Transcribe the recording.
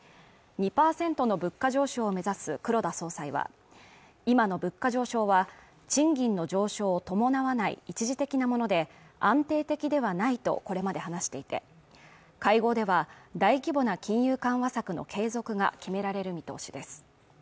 ２％の物価上昇を目指す黒田総裁は今の物価上昇は賃金の上昇を伴わない一時的なもので安定的ではないとこれまで話していて会合では大規模な金融緩和策の継続が決められる見通しです